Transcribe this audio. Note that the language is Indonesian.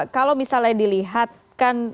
kalau misalnya dilihatkan